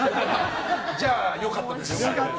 じゃあ良かったです。